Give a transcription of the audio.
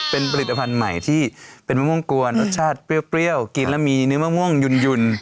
เป็นผลิตภัณฑ์ใหม่ที่เป็นมะม่วงกวนรสชาติเปรี้ยวกินแล้วมีเนื้อมะม่วงหยุ่น